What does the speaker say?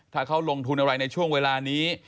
ถ้าเขาลงทุนอะไรในช่วงเวลานี้